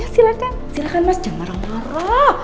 silahkan silahkan mas jangan marah marah